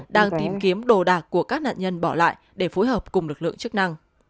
đang tìm kiếm đồ đạc của các nạn nhân bỏ lại để phối hợp cùng lực lượng chức năng